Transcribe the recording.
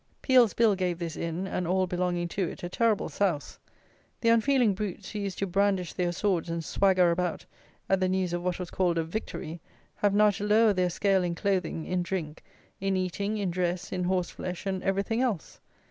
Peel's Bill gave this inn, and all belonging to it, a terrible souse. The unfeeling brutes, who used to brandish their swords, and swagger about, at the news of what was called "a victory," have now to lower their scale in clothing, in drink, in eating, in dress, in horseflesh, and everything else.